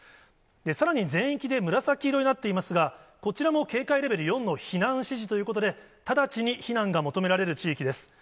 さらに全域で紫色になっていますが、こちらも警戒レベル４の避難指示ということで、直ちに避難が求められる地域です。